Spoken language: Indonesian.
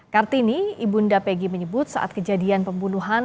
kartini ibunda pegi menyebut saat kejadian pembunuhan